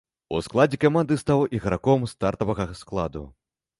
У складзе каманды стаў іграком стартавага складу.